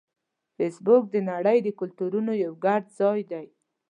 فېسبوک د نړۍ د کلتورونو یو ګډ ځای دی